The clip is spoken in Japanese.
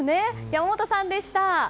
山本さんでした。